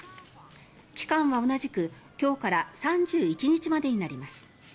期間は同じく今日から３１日までになります。